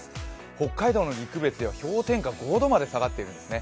北海道の陸別では氷点下５度まで下がっているんですね。